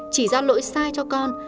chỉ ra lỗi sai cho con